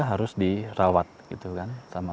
harus dirawat gitu kan sama